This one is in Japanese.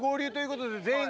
これで全員？